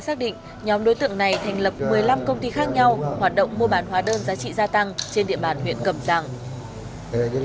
các quý vị đã xác định nhóm đối tượng này thành lập một mươi năm công ty khác nhau hoạt động mua bán hóa đơn giá trị gia tăng trên địa bàn huyện cẩm giang